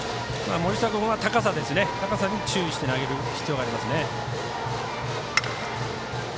森下君は高さに注意して投げる必要がありますね。